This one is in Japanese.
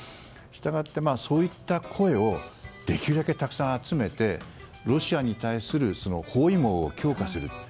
したがってそういった声をできるだけたくさん集めてロシアに対する包囲網を強化する。